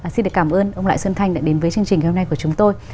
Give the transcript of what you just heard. xin được cảm ơn ông lại xuân thanh đã đến với chương trình ngày hôm nay của chúng tôi